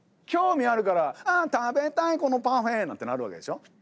興味あるからあ食べたいこのパフェ！なんてなるわけでしょ？